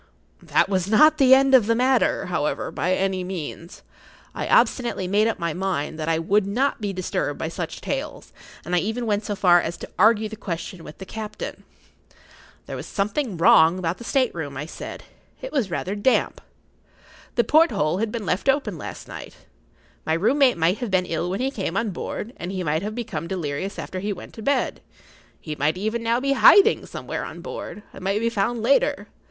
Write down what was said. That was not the end of the matter, however, by any means. I obstinately made up my mind that I would not be disturbed by such tales, and I even went so far as to argue the question with the captain. There was something wrong about the state room, I said. It was rather damp. The porthole had been left open last night. My room mate might have been ill when he came on board, and he might have become[Pg 34] delirious after he went to bed. He might even now be hiding somewhere on board, and might be found later.